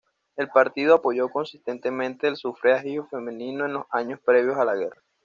El partido apoyó consistentemente el sufragio femenino en los años previos a la guerra.